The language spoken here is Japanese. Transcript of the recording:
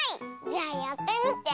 じゃあやってみて。